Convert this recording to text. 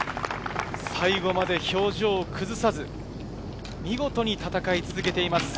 最後まで表情を崩さず、見事に戦い続けています、